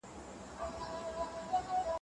سیال هیواد بهرنی پور نه اخلي.